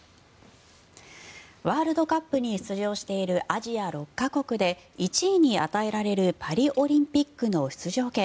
ワールドカップに出場しているアジア６か国で１位に与えられるパリオリンピックの出場権